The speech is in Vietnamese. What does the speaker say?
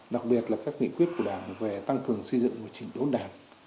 đặc biệt là các nghị quyết của đảng về tăng cường xây dựng và chỉnh đốn đảng